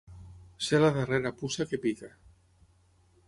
Ser la darrera puça que pica.